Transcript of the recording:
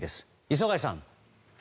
磯貝さん。